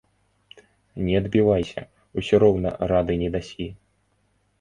Не адбівайся, усё роўна рады не дасі.